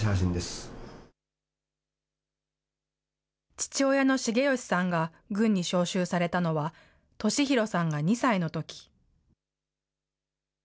父親の繁義さんが軍に召集されたのは敏弘さんが２歳のとき。